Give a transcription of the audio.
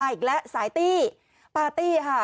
อีกแล้วสายตี้ปาร์ตี้ค่ะ